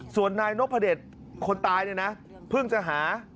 ส่วนนายนกพระเด็จคนตายนี่นะเพิ่งจะหา